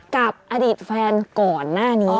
กับอดีตแฟนก่อนหน้านี้